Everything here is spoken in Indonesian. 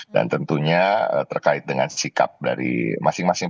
dan tentunya terkait dengan sikap dari masing masing